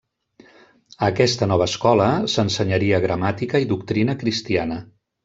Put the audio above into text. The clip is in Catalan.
A aquesta nova escola, s'ensenyaria gramàtica i doctrina cristiana.